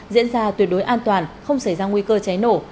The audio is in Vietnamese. diễn ra tuyệt đối an toàn không xảy ra nguy cơ cháy nổ